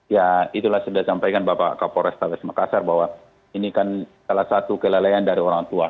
ya itulah sudah disampaikan bapak kapolres tabes makassar bahwa ini kan salah satu kelelayan dari orang tua